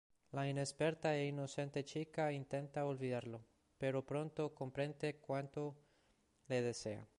La inexperta e inocente chica intenta olvidarlo, pero pronto comprende cuánto le desea.